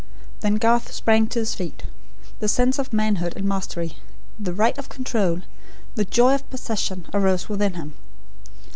Then Garth sprang to his feet. The sense of manhood and mastery; the right of control, the joy of possession, arose within him.